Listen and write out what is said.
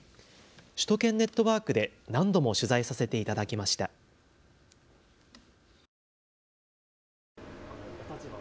首都圏ネットワークで何度も取材させていただきました。